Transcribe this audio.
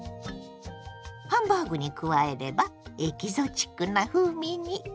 ハンバーグに加えればエキゾチックな風味に！